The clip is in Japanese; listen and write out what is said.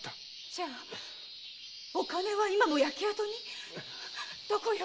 じゃあお金は今も焼け跡に⁉どこよ？